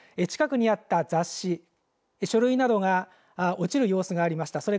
近くにあった雑誌書類などが落ちる様子がありました。